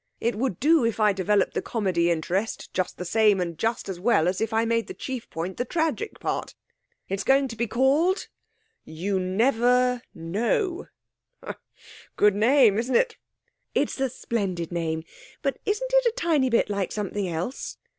It would do if I developed the comedy interest just the same and just as well as if I made the chief point the tragic part. It's going to be called You Never Know. Good name, isn't it?' 'It's a splendid name. But isn't it a tiny bit like something else?'